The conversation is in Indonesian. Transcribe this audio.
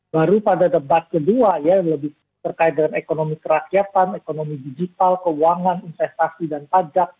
baru pada debat kedua ya lebih terkait dengan ekonomi kerakyatan ekonomi digital keuangan investasi dan pajak